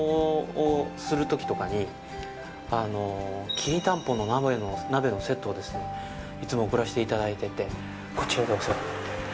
きりたんぽの鍋のセットをですね、いつも贈らせていただいてて、こちらでお世話になっていると。